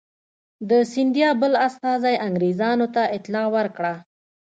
د سیندیا بل استازي انګرېزانو ته اطلاع ورکړه.